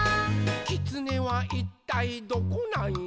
「きつねはいったいどこなんよ？」